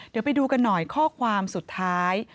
เดี๋ยวไปดูกันหน่อยข้อความสุดท้าย